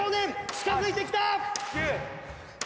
近づいてきた！